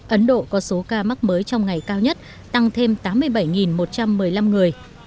ấn độ có số ca mắc mới trong ngày cao nhất tăng thêm tám mươi bảy một trăm một mươi năm người